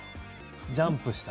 ジャンプした。